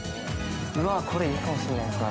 これいいかもしれないですね。